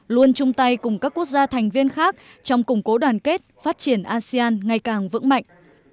luôn chung tay cùng các quốc gia thành viên khác trong củng cố đoàn kết phát triển asean ngày càng vững mạnh